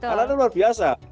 anak anak luar biasa